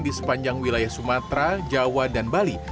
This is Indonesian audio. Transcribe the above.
di sepanjang wilayah sumatera jawa dan bali